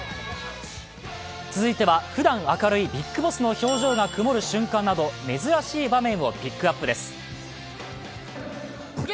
続いてはふだん明るいＢＩＧＢＯＳＳの笑顔が曇るなど珍しい場面をピックアップです。